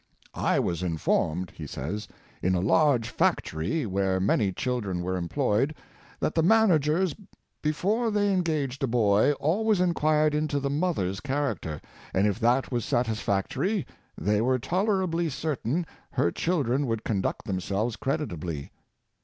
*' I was informed," he says, " in a large factory, where many children were employed, that the managers before they engaged a boy always inquired into the mother's character, and if that was satisfactory they were toler ably certain that her children would conduct themselves creditably.